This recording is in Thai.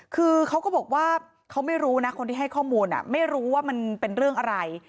คือเขาก็บอกว่าเขาไม่รู้นะคนที่ให้ข้อมูลไม่รู้ว่ามันเป็นเรื่องอะไร